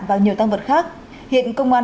và nhiều tăng vật khác hiện công an